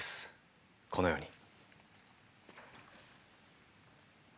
このように。